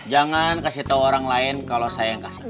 jangan kasih tahu orang lain kalau saya yang kasih